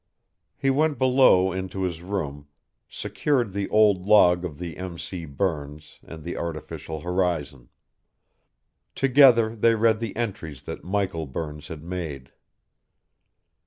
He went below into his room, secured the old log of the M.C. Burns and the artificial horizon. Together they read the entries that Michael Burns had made.